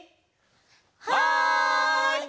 はい！